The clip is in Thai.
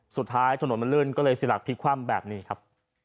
สุดท้ายถนนมันลื่นก็เลยเสียหลักพลิกคว่ำแบบนี้ครับ